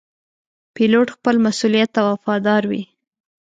پیلوټ خپل مسؤولیت ته وفادار وي.